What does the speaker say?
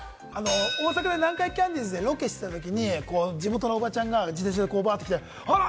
大阪で南海キャンディーズでロケしていたときに、地元のおばちゃんが自転車でバーッて来て、あら！